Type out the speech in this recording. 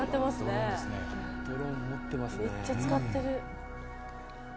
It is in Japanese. めっちゃ使ってる。